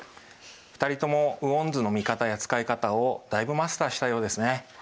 ２人とも雨温図の見方や使い方をだいぶマスターしたようですね。